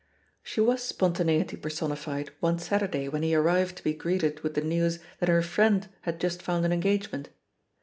She was spontaneity per sonified one Saturday when he arrived to be greeted with the news that her friend had just found an engagement.